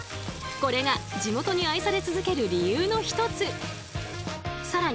これが地元に愛され続ける理由の一つ。